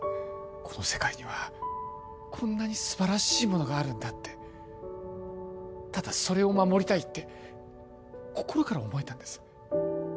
この世界にはこんなに素晴らしいものがあるんだってただそれを守りたいって心から思えたんです